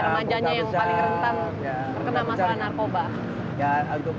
remajanya yang paling rentan terkena masalah narkoba